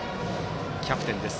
キャプテンです。